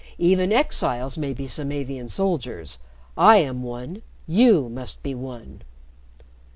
Even exiles may be Samavian soldiers I am one, you must be one."